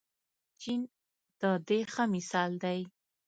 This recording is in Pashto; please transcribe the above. چین د دې ښه مثال دی.